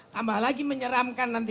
tambah lagi menyeramkan nanti